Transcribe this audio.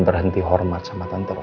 sarah brand calendar